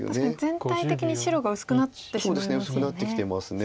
確かに全体的に白が薄くなってしまいますよね。